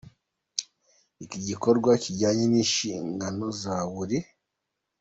Iki gikorwa kijyanye n‟inshingano za buri